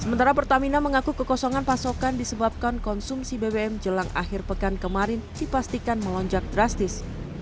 sementara pertamina mengaku kekosongan pasokan disebabkan konsumsi bbm jelang akhir pekan kemarin dipastikan melonjak drastis